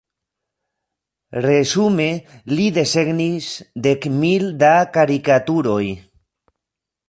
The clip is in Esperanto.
Resume li desegnis dek mil da karikaturoj.